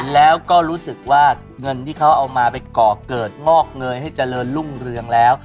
แล้วก็รู้สึกว่าเงินที่เขาเอามาไปก่อเกิดงอกเงยให้เจริญรุ่งเรืองแล้ว